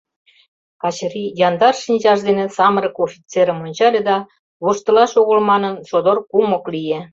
— Качырий яндар шинчаж дене самырык офицерым ончале да, воштылаш огыл манын, содор кумык лие.